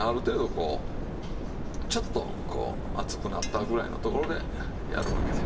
こうちょっとこう熱くなったぐらいのところでやるわけで。